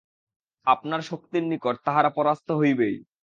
আপনার শক্তির নিকট তাহারা পরাস্ত হইবেই।